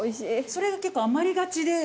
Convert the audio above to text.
それが結構余りがちで。